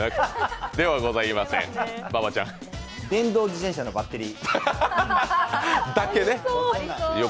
電動自転車のバッテリー。